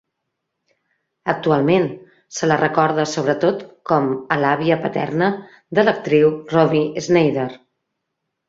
Actualment se la recorda sobretot com a l'àvia paterna de l'actriu Romy Schneider.